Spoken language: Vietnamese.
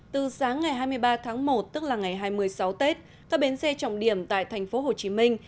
từ sáng ngày hai mươi ba tháng một tức là ngày hai mươi sáu tết các bến xe trọng điểm tại thành phố hồ chí minh